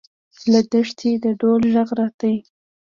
له دښتې د ډول غږ راته.